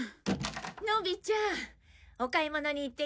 のびちゃんお買い物に行ってきて。